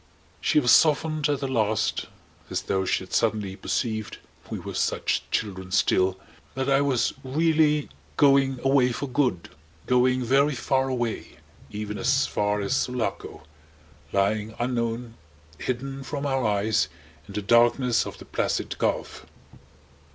She was softened at the last as though she had suddenly perceived (we were such children still!) that I was really going away for good, going very far away even as far as Sulaco, lying unknown, hidden from our eyes in the darkness of the Placid Gulf.